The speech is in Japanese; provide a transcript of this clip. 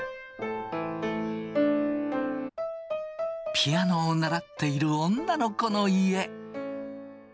ピアノを習っている女の子の家。